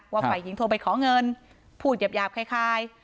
ว่าไฝหญิงโทรไปขอเงินพูดหยาบหยาบคล้ายคล้าย